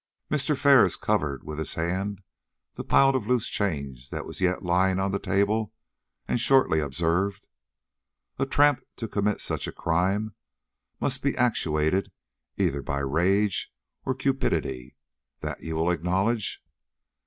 Mr. Ferris covered with his hand the pile of loose change that was yet lying on the table, and shortly observed: "A tramp to commit such a crime must be actuated either by rage or cupidity; that you will acknowledge.